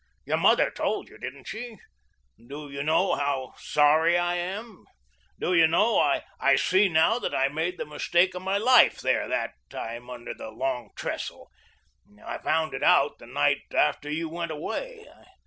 Your mother told you, didn't she? Do you know how sorry I am? Do you know that I see now that I made the mistake of my life there, that time, under the Long Trestle? I found it out the night after you went away.